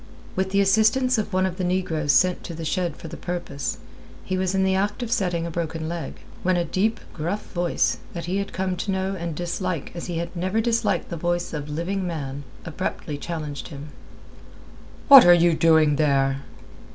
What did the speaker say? With the assistance of one of the negroes sent to the shed for the purpose, he was in the act of setting a broken leg, when a deep, gruff voice, that he had come to know and dislike as he had never disliked the voice of living man, abruptly challenged him. "What are you doing there?"